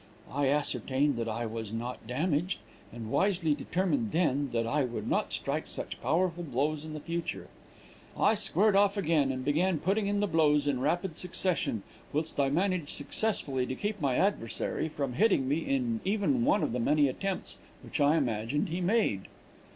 I ascertained that I was not damaged, and wisely determined then that I would not strike such powerful blows in the future. "I again squared off, and began putting in the blows in rapid succession, whilst I managed successfully to keep my adversary from hitting me in even one of the many attempts which I imagined he made.